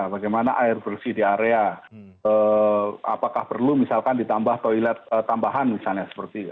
bagaimana air bersih di area apakah perlu misalkan ditambah toilet tambahan misalnya seperti itu